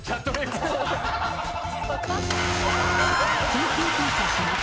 緊急停車します。